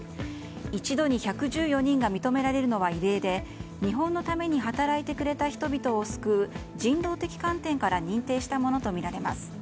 一度に１１４人が認められるのは異例で日本のために働いてくれた人を救うという人道的観点から認定したものとみられます。